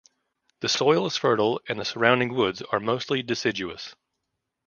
The soil is fertile and the surrounding woods are mostly deciduous.